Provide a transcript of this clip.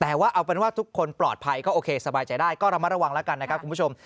แต่ว่าเอาเป็นว่าทุกคนปลอดภัยก็โอเคสบายใจได้ก็ระมัดระวังแล้วกันนะครับคุณผู้ชม